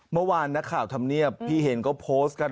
เมื่อวานนักข่าวธรรมเนียบพี่เห็นเขาโพสต์กัน